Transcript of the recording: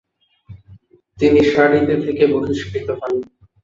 তিনি শারিতে থেকে বহিষ্কৃত হন।